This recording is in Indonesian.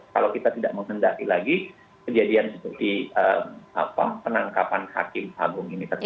kalau kita tidak menghendaki lagi kejadian seperti penangkapan hakim agung ini